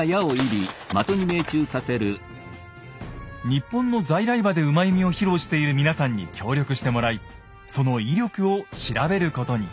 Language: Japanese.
日本の在来馬で騎射を披露している皆さんに協力してもらいその威力を調べることに。